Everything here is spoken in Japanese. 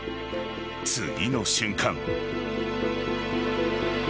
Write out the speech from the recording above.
次の瞬間。